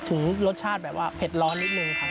ถึงรสชาติแบบว่าเผ็ดร้อนนิดนึงครับ